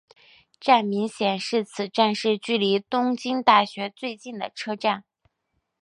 站名显示此站是距离东京大学最近的车站。